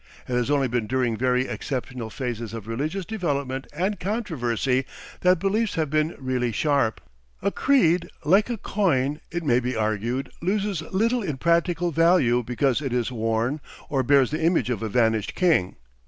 It has only been during very exceptional phases of religious development and controversy that beliefs have been really sharp. A creed, like a coin, it may be argued, loses little in practical value because it is worn, or bears the image of a vanished king.